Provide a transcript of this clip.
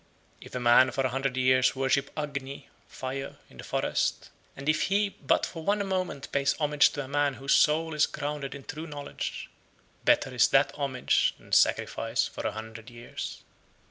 107. If a man for a hundred years worship Agni (fire) in the forest, and if he but for one moment pay homage to a man whose soul is grounded (in true knowledge), better is that homage than sacrifice for a hundred years.